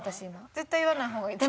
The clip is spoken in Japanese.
絶対言わない方がいいと。